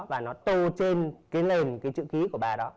và nó tô trên cái nền cái chữ ký của bà đó